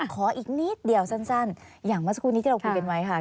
ขออีกนิดเดียวสั้นอย่างเมื่อสักครู่นี้ที่เราคุยกันไว้ค่ะ